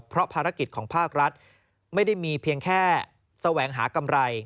เพราะภารกิจของภาครัฐไม่ได้มีเพียงแค่แสวงหากำไร